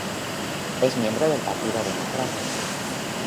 Es miembro del Partido Democrático.